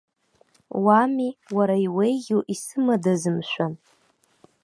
Уами, уара иуеиӷьу исымадаз, мшәан?